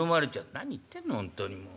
「何言ってんのほんとにもう。